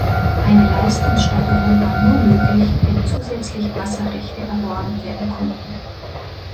Eine Leistungssteigerung war nur möglich, wenn zusätzlich Wasserrechte erworben werden konnten.